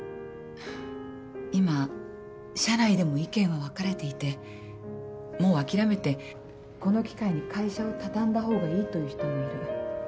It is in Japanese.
今社内でも意見は分かれていてもう諦めてこの機会に会社を畳んだ方がいいという人もいる。